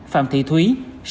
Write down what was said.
phạm thị thúy